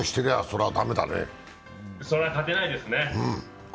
それは勝てないですね。